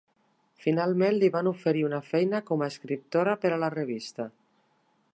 Finalment li van oferir una feina com a escriptora per a la revista.